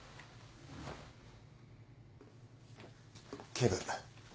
警部。